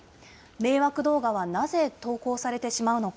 迷惑動画はなぜ投稿されてしまうのか。